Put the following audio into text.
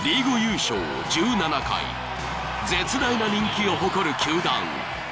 ［絶大な人気を誇る球団］